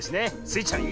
スイちゃん